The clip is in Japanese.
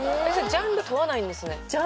ジャンル問わないです。